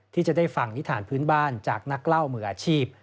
ที่จะได้ฟังนิษฐานพื้นบ้านจากนักเล่ามืออาชีพ